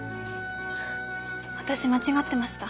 私間違ってました。